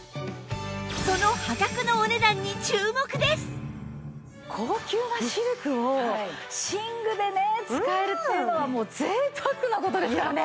その高級なシルクを寝具でね使えるっていうのはもう贅沢な事ですからね。